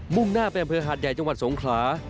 มุ่งหน้าแปลมเพลอหาดใหญ่จังหวัดสงขลา